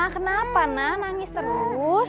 kenapa na nangis terus